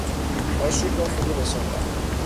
آشوب را فرونشاندن